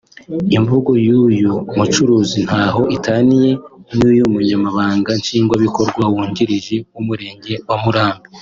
Imvugo y’uyu mucuruzi ntaho itaniye niy’Umunyamabanga Nshingwabikorwa wungirije w’umurenge wa Murambi